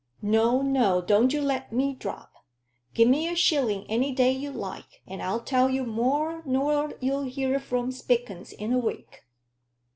"No, no; don't you let me drop. Give me a shilling any day you like, and I'll tell you more nor you'll hear from Spilkins in a week.